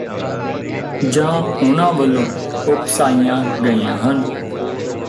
ਜਾਂ ਉਨ੍ਹਾਂ ਵੱਲੋਂ ਉਕਸਾਈਆਂ ਗਈਆਂ ਹਨ